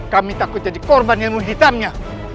kami takut jadi korban ilmu hitamnya